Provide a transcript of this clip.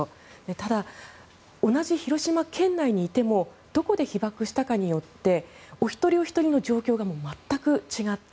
ただ、同じ広島県内にいてもどこで被爆したかによってお一人お一人の状況が全く違って。